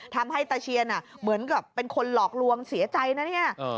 ตาเชียนเหมือนกับเป็นคนหลอกลวงเสียใจนะเนี่ย